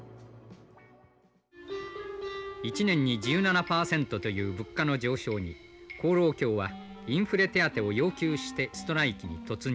「１年に１７％という物価の上昇に公労協はインフレ手当を要求してストライキに突入」。